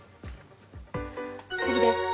次です。